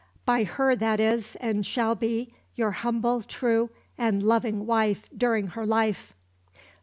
By her that is, and shall be, your humble, true, and loving wife during her life."